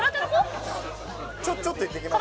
ちょっと行ってきます。